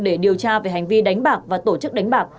để điều tra về hành vi đánh bạc và tổ chức đánh bạc